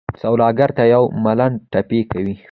سوالګر ته یو ملنډه ټپي کوي